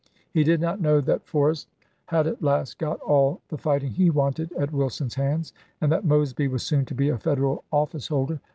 He did not know that Forrest ibid, had at last got all the fighting he wanted at Wil son's hands, and that Mosby was soon to be a Federal office holder.